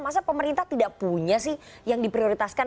masa pemerintah tidak punya sih yang diprioritaskan